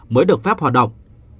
mới được phép hoạt động